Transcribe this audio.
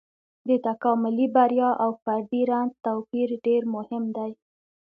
د تکاملي بریا او فردي رنځ توپير ډېر مهم دی.